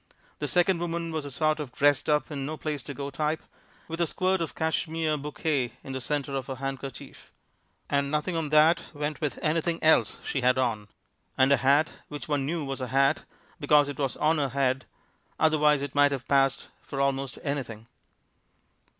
This second woman was a sort of dressed up and no place to go type, with a squirt of Cashmere Bouquet in the center of her handkerchief. And nothing on that went with anything else she had on. And a hat which one knew was a hat, because it was on her head, otherwise it might have passed for almost anything.